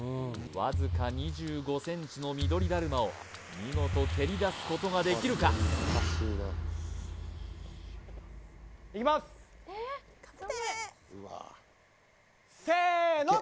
わずか２５ｃｍの緑だるまを見事蹴りだすことができるか？いきますせーの！